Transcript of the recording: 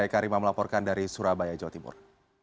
eka rima melaporkan dari surabaya jawa timur